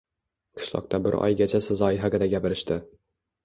Qishloqda bir oygacha sazoyi haqida gapirishdi.